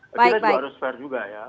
kita juga harus fair juga ya